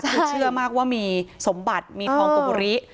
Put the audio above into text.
คือเชื่อมากว่ามีสมบัติมีทองกบุริ